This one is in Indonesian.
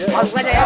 masuk saja ya